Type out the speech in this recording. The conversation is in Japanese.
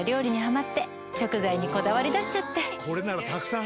これならたくさん入るな。